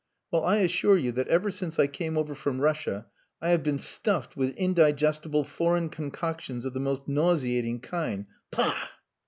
Well, I assure you that ever since I came over from Russia I have been stuffed with indigestible foreign concoctions of the most nauseating kind pah!"